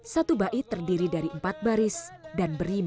satu bait terdiri dari empat baris dan berima